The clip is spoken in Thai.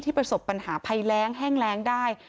ที่ประสบปัญหาไพแล้งแห้งแรงได้